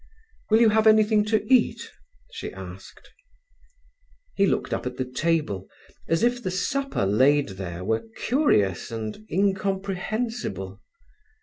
"Will you have anything to eat?" she asked. He looked up at the table, as if the supper laid there were curious and incomprehensible.